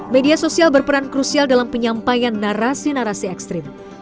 media sosial berperan krusial dalam penyampaian narasi narasi ekstrim